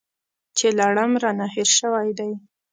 چې لړم رانه هېر شوی دی .